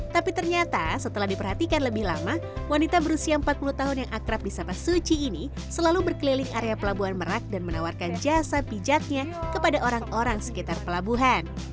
tapi ternyata setelah diperhatikan lebih lama wanita berusia empat puluh tahun yang akrab di sapa suci ini selalu berkeliling area pelabuhan merak dan menawarkan jasa pijatnya kepada orang orang sekitar pelabuhan